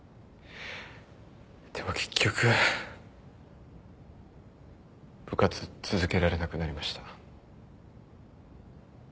でも結局部活続けられなくなりました。